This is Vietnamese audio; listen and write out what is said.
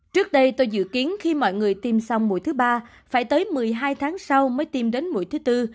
trước đây tôi dự kiến khi mọi người tiêm xong mũi thứ ba phải tới một mươi hai tháng sau mới tiêm đến mũi thứ tư